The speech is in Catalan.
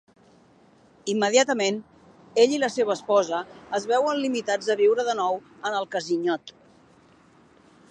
Immediatament, ell i la seva esposa es veuen limitats a viure de nou en el casinyot.